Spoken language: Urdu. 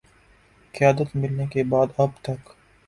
قیادت ملنے کے بعد اب تک